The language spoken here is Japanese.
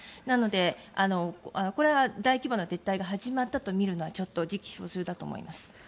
なので、これは大規模な撤退が始まったとみるのは時期尚早だと思います。